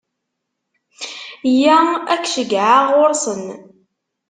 Yya, ad k-ceggɛeɣ ɣur-sen.